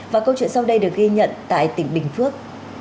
và câu chuyện sau đây được ghi nhận tại tỉnh bình phước